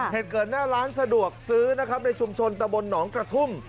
เหตุเกิดหน้าร้านสะดวกซื้อนะครับในชุมชนตะบนหนองกระทุ่ม